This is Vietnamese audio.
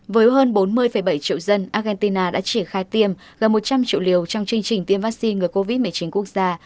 với hơn bốn mươi bảy triệu dân argentina đã triển khai tiêm gần một trăm linh triệu liều trong chương trình tiêm vaccine ngừa covid một mươi chín quốc gia